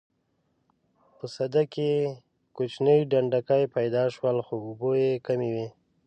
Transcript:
په سده کې کوچني ډنډکي پیدا شول خو اوبه یې کمې وې.